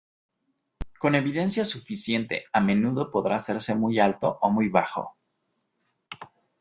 Con evidencia suficiente, a menudo podrá hacerse muy alto o muy bajo.